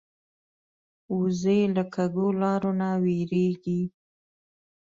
وزې له کږو لارو نه وېرېږي